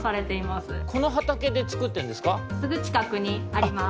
・すぐちかくにあります。